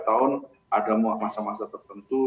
lima tahun ada masa masa tertentu